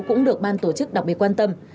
cũng được ban tổ chức đặc biệt quan tâm